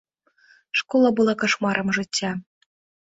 Школа была кашмарам жыцця.